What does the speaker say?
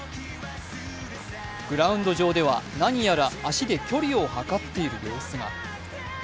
グラウンド上では何やら足で距離を測っている様子が。